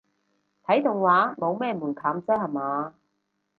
睇動畫冇咩門檻啫吓嘛